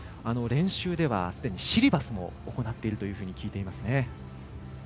練習ではすでにシリバスも行っているというように聞きますね。